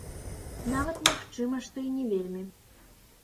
Нават, магчыма, што і не вельмі.